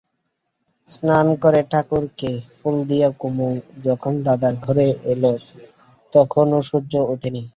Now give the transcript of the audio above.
স্নান করে ঠাকুরকে ফুল দিয়ে কুমু যখন দাদার ঘরে এল তখনো সূর্য ওঠে নি।